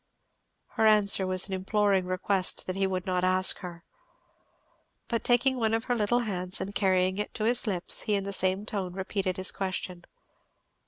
Her answer was an imploring request that he would not ask her. But taking one of her little hands and carrying it to his lips, he in the same tone repeated his question.